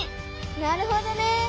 なるほどね！